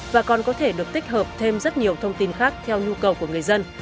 và còn có thể được tích hợp thêm rất nhiều thông tin khác theo nhu cầu của người dân